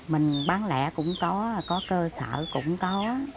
mình bán lẻ cũng có cơ sở cũng có